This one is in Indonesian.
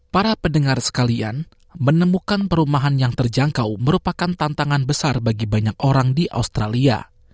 para pendengar sekalian menemukan perumahan yang terjangkau merupakan tantangan besar bagi banyak orang di australia